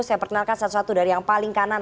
saya perkenalkan satu satu dari yang paling kanan